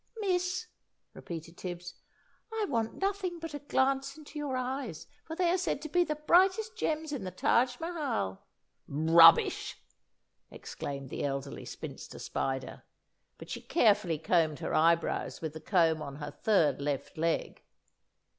"Miss," repeated Tibbs, "I want nothing but a glance into your eyes, for they are said to be the brightest gems in the Taj Mahal." "Rubbish!" exclaimed the Elderly Spinster Spider, but she carefully combed her eyebrows with the comb on her third left leg.